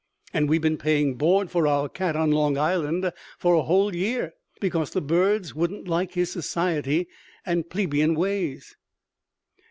And we have been paying board for our cat on Long Island for a whole year because the birds wouldn't like his society and plebeian ways.